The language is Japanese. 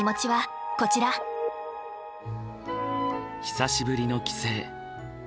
久しぶりの帰省。